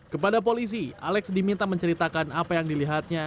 kepada polisi alex diminta menceritakan apa yang dilihatnya